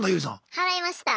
払いました。